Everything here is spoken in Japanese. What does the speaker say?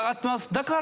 だから」